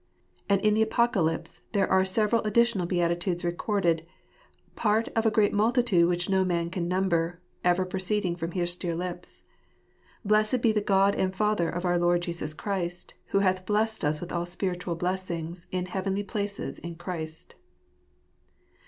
And in the Apocalypse there are several additional Beatitudes recorded, part of a great multitude which no man can number, ever proceeding from his dear lips. " Blessed be the God and Father of our Lord Jesus Christ, who hath blessed us with all spiritual blessings in heavenly places in Christ."